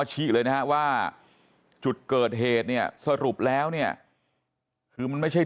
ชี้เลยนะฮะว่าจุดเกิดเหตุเนี่ยสรุปแล้วเนี่ยคือมันไม่ใช่